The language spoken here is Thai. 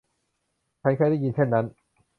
ฉันเคยได้ยินเช่นนั้น